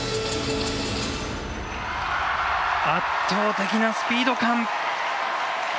圧倒的なスピード感！